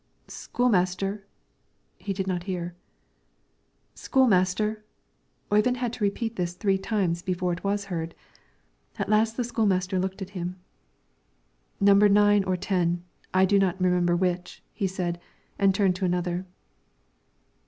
"School master!" He did not hear. "School master!" Oyvind had to repeat this three times before it was heard. At last the school master looked at him. "Number nine or ten, I do not remember which," said he, and turned to another.